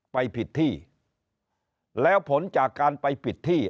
ไปผิดที่แล้วผลจากการไปปิดที่